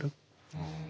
うん。